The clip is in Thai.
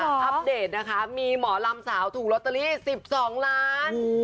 อัปเดตนะคะมีหมอลำสาวถูกลอตเตอรี่๑๒ล้าน